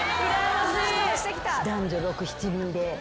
男女６７人で。